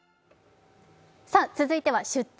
続いては「出張！